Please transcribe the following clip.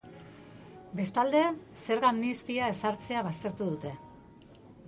Bestalde, zerga amnistia ezartzea baztertu dute.